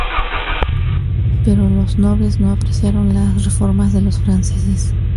Pero los nobles no apreciaron las reformas de los franceses.